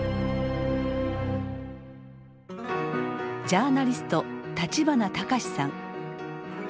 ジャーナリスト立花隆さん。